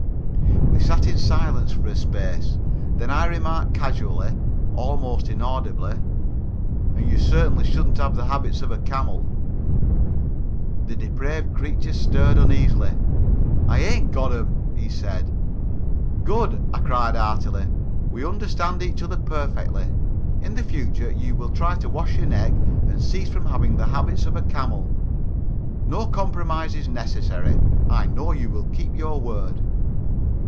We sat in silence for a space, then I remarked casually, almost inaudibly, "and you certainly shouldn't have the habits of a camel." The depraved creature stirred uneasily. "I ain't got 'em," he said. "Good," I cried heartily. "We understand each other perfectly. In the future you will try to wash your neck and cease from having the habits of a camel. No compromise is necessary. I know you will keep your word."